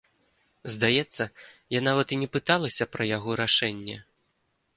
Здаецца, я нават і не пыталася пра яго рашэнне.